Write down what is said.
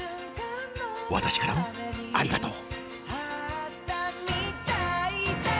私からもありがとう。